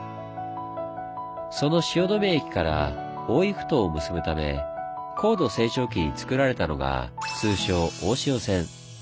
その汐留駅から大井埠頭を結ぶため高度成長期につくられたのが通称「大汐線」。